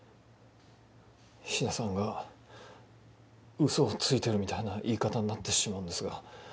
菱田さんがウソをついてるみたいな言い方になってしまうんですが。